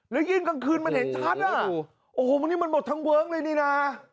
แล้วยิ่งกลางคืนมันเห็นชัดอ่ะโอ้โหวันนี้มันหมดทั้งเวิ้งเลยนี่นะ